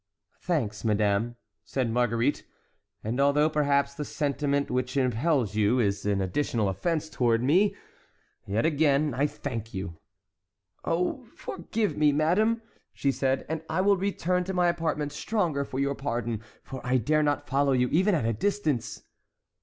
"Thanks, madame," said Marguerite; "and although perhaps the sentiment which impels you is an additional offence toward me,—yet, again, I thank you!" "Oh, forgive me, madame!" she said, "and I will return to my apartments stronger for your pardon, for I dare not follow you, even at a distance."